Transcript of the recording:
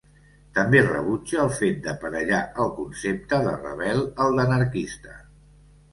També rebutja el fet d'aparellar el concepte de rebel al d'anarquista.